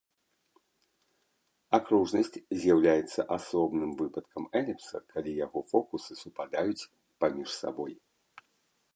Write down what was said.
Акружнасць з'яўляецца асобным выпадкам эліпса, калі яго фокусы супадаюць паміж сабой.